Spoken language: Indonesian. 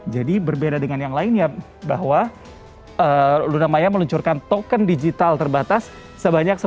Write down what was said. jadi berbeda dengan yang lainnya bahwa lunamaya meluncurkan token digital terbatas sebanyak sepuluh item